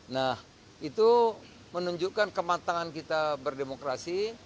nah itu menunjukkan kematangan kita berdemokrasi